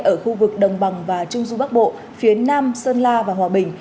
ở khu vực đồng bằng và trung du bắc bộ phía nam sơn la và hòa bình